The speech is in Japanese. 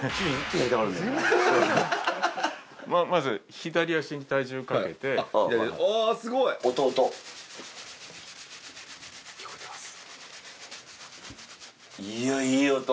まず左足に体重かけてあすごい聞こえてます？